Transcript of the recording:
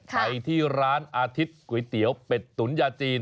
ไปที่ร้านอาทิตย์ก๋วยเตี๋ยวเป็ดตุ๋นยาจีน